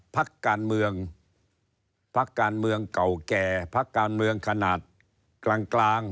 ภักดิ์การเมืองเก่าแก่ภักดิ์การเมืองขนาดกลาง